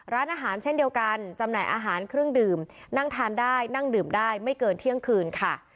ร้านอาหารเช่นเดียวกันจำหน่ายอาหารเครื่องดื่มนั่งทานได้นั่งดื่มได้ไม่เกินเที่ยงคืนค่ะ